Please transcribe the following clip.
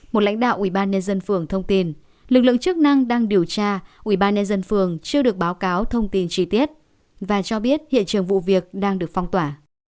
một lãnh đạo ubnd phường thông tin lực lượng chức năng đang điều tra ubnd phường chưa được báo cáo thông tin chi tiết và cho biết hiện trường vụ việc đang được phong tỏa